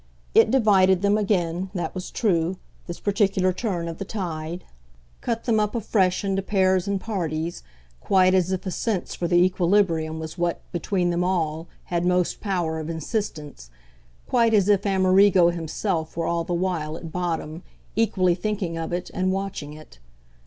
It divided them again, that was true, this particular turn of the tide cut them up afresh into pairs and parties; quite as if a sense for the equilibrium was what, between them all, had most power of insistence; quite as if Amerigo himself were all the while, at bottom, equally thinking of it and watching it.